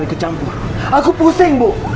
ikut campur aku pusing bu